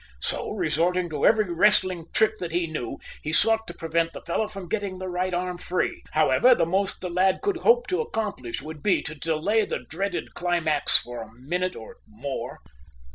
So, resorting to every wrestling trick that he knew, he sought to prevent the fellow from getting the right arm free. However, the most the lad could hope to accomplish would be to delay the dreaded climax for a minute or more.